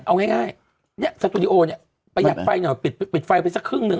เอาง่ายง่ายเนี้ยสตูดิโอเนี้ยไปหยัดไฟเนี้ยปิดปิดปิดไฟไปสักครึ่งนึง